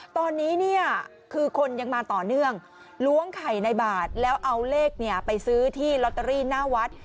ตอนนี้เนี่ยคือคนยังมาต่อเนื่องล้วงไข่ในบาทแล้วเอาเลขไปซื้อที่ลอตเตอรี่หน้าวัด